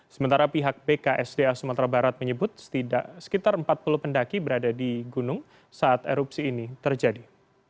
sementara pihak bksda sumatera barat menyebut sekitar empat puluh pendaki berada di gunung saat erupsi ini terjadi